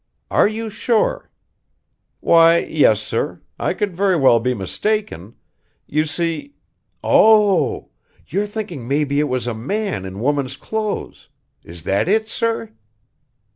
"Are you sure?" "Why, yes, sir. I couldn't very well be mistaken. You see o o oh! You're thinking maybe it was a man in woman's clothes? Is that it, sir?"